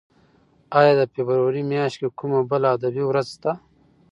ایا د فبرورۍ میاشت کې کومه بله ادبي ورځ شته؟